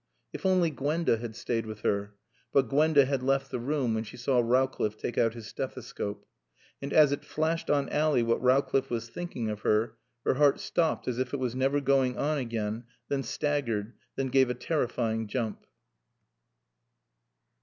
If only Gwenda had stayed with her! But Gwenda had left the room when she saw Rowcliffe take out his stethescope. And as it flashed on Ally what Rowcliffe was thinking of her, her heart stopped as if it was never going on again, then staggered, then gave a terrifying jump.